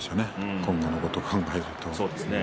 今後のことを考えると。